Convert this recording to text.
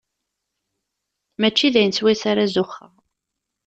Mačči d ayen swayes ara zuxxeɣ.